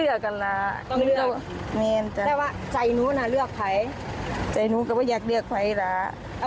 เท่าไหร่อะไรนะขาดเธอก็เหงาขาดเขาก็เสียใจใช่มะ